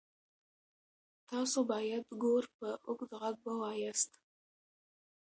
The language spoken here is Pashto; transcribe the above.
تاسو باید ګور په اوږد غږ ووایاست.